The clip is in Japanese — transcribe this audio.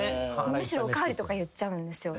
むしろお代わりとか言っちゃうんですよ。